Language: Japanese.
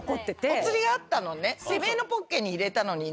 お釣りがあったのねてめぇのポッケに入れたのに。